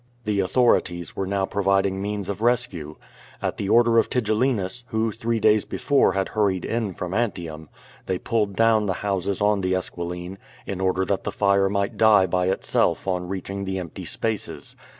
The authorities were now providing means of res cue. At the order of Tigellinus, who three days before had hurried in from Antium, they pulled down the houses on the Esquiline, in order that the fire might die by itself on reach ing the empty spaces.